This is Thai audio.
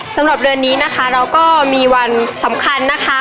สำหรับเดือนนี้นะคะเราก็มีวันสำคัญนะคะ